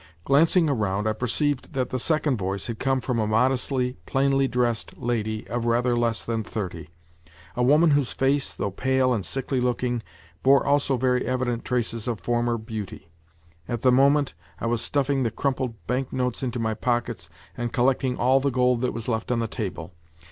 Glancing around, I perceived that the second voice had come from a modestly, plainly dressed lady of rather less than thirty—a woman whose face, though pale and sickly looking, bore also very evident traces of former beauty. At the moment, I was stuffing the crumpled bank notes into my pockets and collecting all the gold that was left on the table.